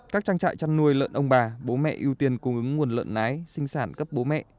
các trang trại chăn nuôi lợn ông bà bố mẹ ưu tiên cung ứng nguồn lợn nái sinh sản cấp bố mẹ